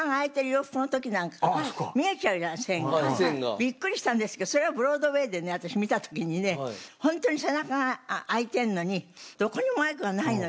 ビックリしたんですけどそれをブロードウェイでね私見た時にねホントに背中が開いてるのにどこにもマイクがないのよ。